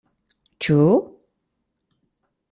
Ĉu.